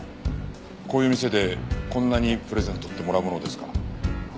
こういう店でこんなにプレゼントってもらうものですか？